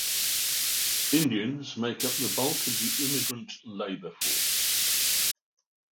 Indians make up the bulk of the immigrant labour force.